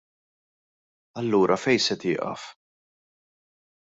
Allura fejn se tieqaf?